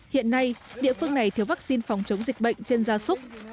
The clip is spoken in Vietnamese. hiện nay địa phương này thiếu vaccine phòng chống dịch bệnh trên gia súc